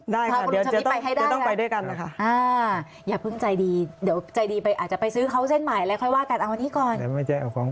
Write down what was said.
เดี๋ยวใจดีอาจจะไปซื้อเขาเส้นหลายอะไร